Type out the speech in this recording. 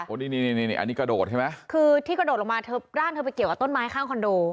นี่นี่อันนี้กระโดดใช่ไหมคือที่กระโดดลงมาเธอร่างเธอไปเกี่ยวกับต้นไม้ข้างคอนโด